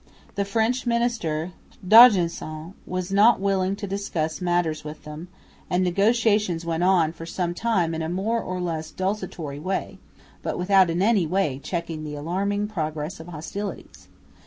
The French minister, D'Argenson, was not unwilling to discuss matters with them; and negotiations went on for some time in a more or less desultory way, but without in any way checking the alarming progress of hostilities.